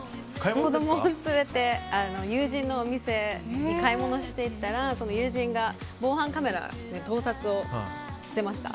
子供を連れて友人のお店で買い物をしていたら友人が防犯カメラで盗撮してました。